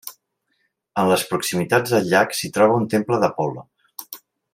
En les proximitats del llac s'hi troba un Temple d'Apol·lo.